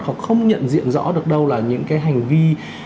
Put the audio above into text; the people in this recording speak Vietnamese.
họ không nhận diện rõ được đâu là những cái hành vi